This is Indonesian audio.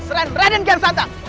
selain raden kian santang